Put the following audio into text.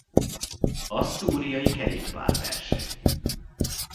Asztúriai kerékpárverseny.